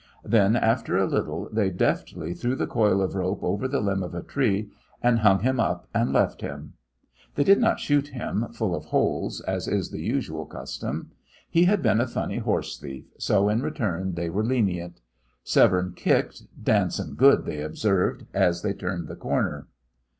Then, after a little, they deftly threw the coil of rope over the limb of a tree, and hung him up, and left him. They did not shoot him full of holes, as is the usual custom. He had been a funny horse thief, so in return they were lenient. Severne kicked. "Dancin' good," they observed, as they turned the corner.